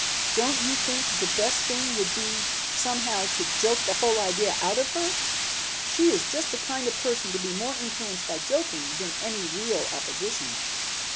Don't you think the best thing would be somehow to joke the whole idea out of her? She is just the kind of a person to be more influenced by joking than any real opposition."